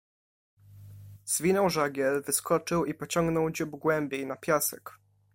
"Zwinął żagiel, wyskoczył i pociągnął dziób głębiej, na piasek."